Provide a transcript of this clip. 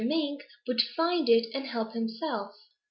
Mink would find it and help himself.